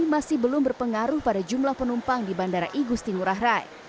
masih belum berpengaruh pada jumlah penumpang di bandara igusti ngurah rai